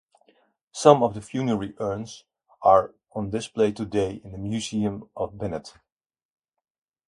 Some of the funerary urns are on display today in the Museum of Banat.